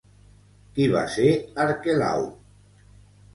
Qui va ser Arquelau?